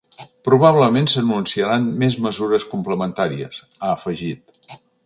Probablement s’anunciaran més mesures complementàries, ha afegit.